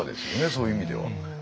そういう意味では。